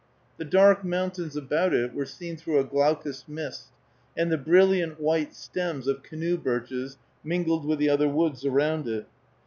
The dark mountains about it were seen through a glaucous mist, and the brilliant white stems of canoe birches mingled with the other woods around it.